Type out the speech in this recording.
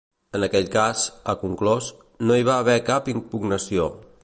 En aquell cas, ha conclòs, no hi va haver cap impugnació.